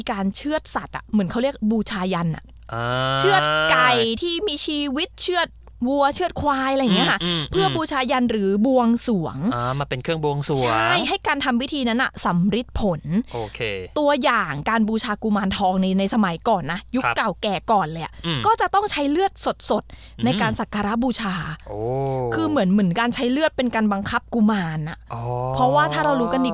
อะไรอย่างเงี้ยค่ะอืมอืมเพื่อบูชายันหรือบวงสวงอ่ามาเป็นเครื่องบวงสวงใช่ให้การทำวิธีนั้นอ่ะสำริดผลโอเคตัวอย่างการบูชากุมารทองในในสมัยก่อนน่ะครับยุคเก่าแก่ก่อนเลยอ่ะอืมก็จะต้องใช้เลือดสดสดในการสักการะบูชาโอ้คือเหมือนเหมือนการใช้เลือดเป็นการบังคับกุมารอ